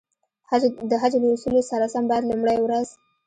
د حج له اصولو سره سم باید لومړی ورځ.